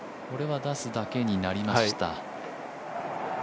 これは出すだけになりました。